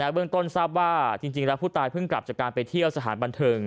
เบื้องต้นทราบว่าจริงแล้วผู้ตายเพิ่งกลับจากการไปเที่ยวสถานบันเทิง